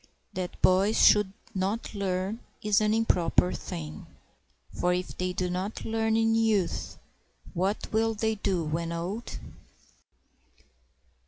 That boys should not learn is an improper thing; For if they do not learn in youth, what will they do when old?